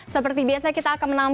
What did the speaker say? seperti biasa kita akan menampung